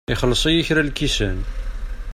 Ixelleṣ-iyi kra n lkisan.